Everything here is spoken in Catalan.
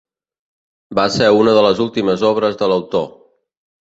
Va ser una de les últimes obres de l'autor.